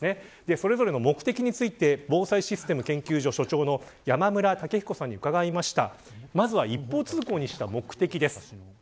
それぞれの目的について防災システム研究所所長の山村武彦さんに伺いました。